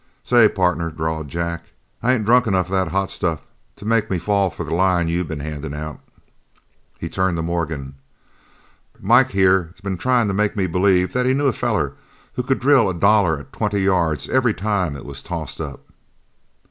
"Say, partner," drawled Jack, "I ain't drunk enough of the hot stuff to make me fall for the line you've been handing out." He turned to Morgan. "Mike, here, has been tryin' to make me believe that he knew a feller who could drill a dollar at twenty yards every time it was tossed up."